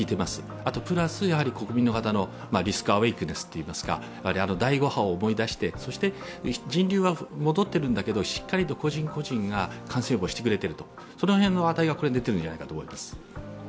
あと、プラス国民の方のリスクアウェークネスといいますか、そして人流は戻っているんだけれども、しっかりと個人個人が感染予防をしていくれていると、その辺の値がこの辺に出てるんじゃないかと思います。